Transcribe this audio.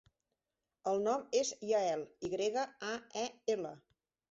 El nom és Yael: i grega, a, e, ela.